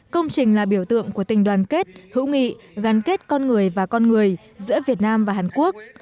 công trình là biểu tượng của tình đoàn kết hữu nghị gắn kết con người và con người giữa việt nam và hàn quốc